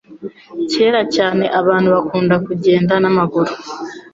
Kera cyane, abantu bakundaga kugenda n'amaguru